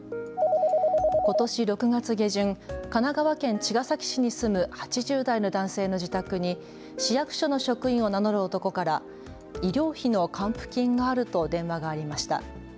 ことし６月下旬、神奈川県茅ヶ崎市に住む８０代の男性の自宅に市役所の職員を名乗る男から医療費の還付金があると電話がありました。